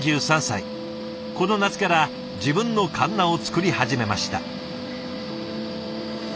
この夏から自分のかんなを作り始めました。